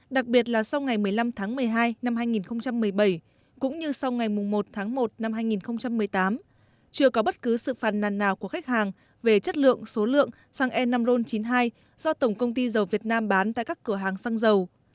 đặc biệt là sau ngày một mươi năm tháng một mươi hai năm hai nghìn một mươi bảy cũng như sau ngày một tháng một năm hai nghìn một mươi tám chưa có bất cứ sự phàn nàn nào của khách hàng về chất lượng số lượng xăng e năm ron chín mươi hai do tổng công ty dầu việt nam bán tại các cửa hàng xăng dầu